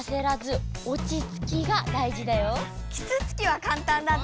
「きつつき」はかんたんだったね！